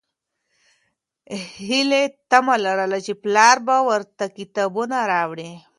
هیلې تمه لرله چې پلار به ورته کتابونه راوړي.